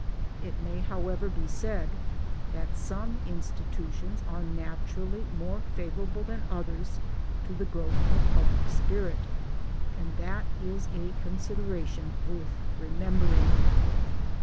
It may however be said that some institutions are naturally more favorable than others to the growth of public spirit, and that is a consideration worth remembering.